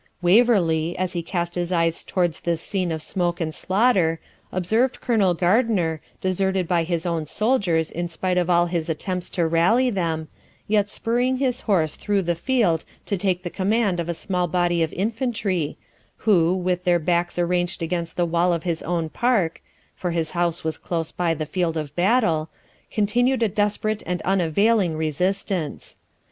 Waverley, as he cast his eyes towards this scene of smoke and slaughter, observed Colonel Gardiner, deserted by his own soldiers in spite of all his attempts to rally them, yet spurring his horse through the field to take the command of a small body of infantry, who, with their backs arranged against the wall of his own park (for his house was close by the field of battle), continued a desperate and unavailing resistance.